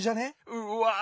うわ。